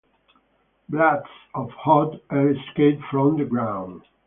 Blasts of hot air escape from the ground.